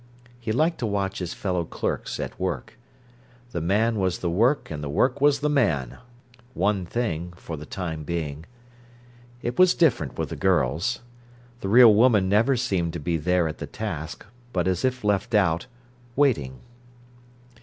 He liked to watch his fellow clerks at work. The man was the work and the work was the man, one thing, for the time being. It was different with the girls. The real woman never seemed to be there at the task, but as if left out, waiting.